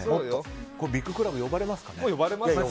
ビッグクラブ呼ばれますかね？